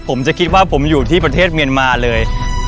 ผมจะคิดว่าผมอยู่ที่ประเทศเมียนมาเลย